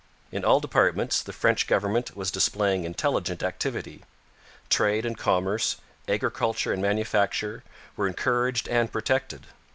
In all departments the French government was displaying intelligent activity. Trade and commerce, agriculture and manufacture, were encouraged and protected.